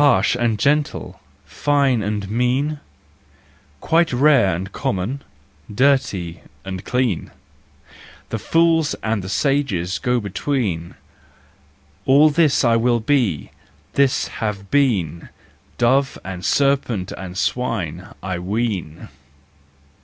Harsh and gentle, fine and mean, Quite rare and common, dirty and clean, The fools' and the sages' go between : All this I will be, this have been, Dove and serpent and swine, I ween!